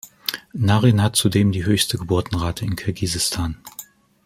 Naryn hat zudem die höchste Geburtenrate in Kirgisistan.